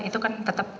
itu kan tetap